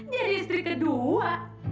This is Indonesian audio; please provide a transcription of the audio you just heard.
jadi istri kedua